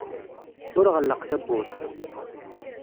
Ur ɣelleq tawwurt.